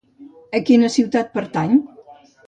A quina ciutat pertany?